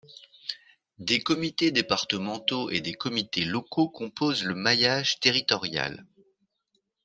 Des comités départementaux et des comités locaux composent le maillage territorial.